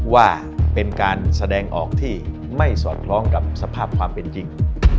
ว่าเป็นการแสดงออกที่ไม่สอดคล้องกับสภาพความเป็นจริง